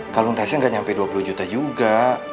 kalung tasya gak nyampe dua puluh juta juga